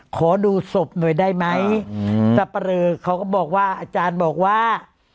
ขอดูศพหน่อยได้ไหมสับปะเรอเขาก็บอกว่าอาจารย์บอกว่า